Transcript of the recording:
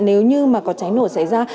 nếu như mà có cháy nổ xảy ra